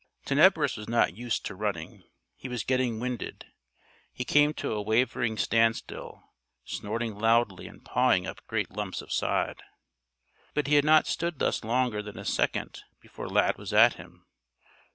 Tenebris was not used to running. He was getting winded. He came to a wavering standstill, snorting loudly and pawing up great lumps of sod. But he had not stood thus longer than a second before Lad was at him.